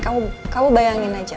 kamu bayangin aja